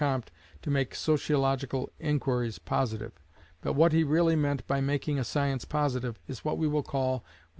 Comte to make sociological inquiries positive. But what he really meant by making a science positive, is what we will call, with M.